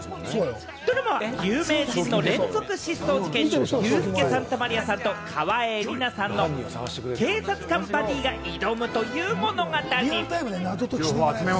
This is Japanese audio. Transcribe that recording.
ドラマは有名人の連続失踪事件にユースケ・サンタマリアさんと川栄李奈さんの警察官バディが挑むという物語。